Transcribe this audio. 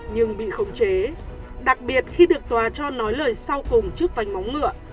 nhưng bị khống chế đặc biệt khi được tòa cho nói lời sau cùng trước vánh móng ngựa